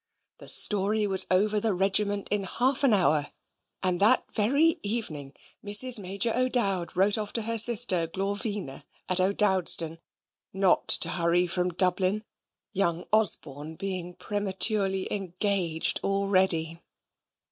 The story was over the regiment in half an hour; and that very evening Mrs. Major O'Dowd wrote off to her sister Glorvina at O'Dowdstown not to hurry from Dublin young Osborne being prematurely engaged already.